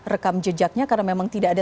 rekam jejaknya karena memang tidak ada